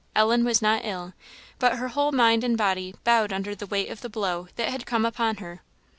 Ellen was not ill; but her whole mind and body bowed under the weight of the blow that had come upon her.